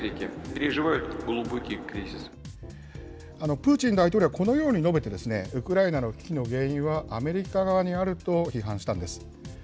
プーチン大統領はこのように述べて、ウクライナの危機の原因はアメリカ側にあると批判したんです。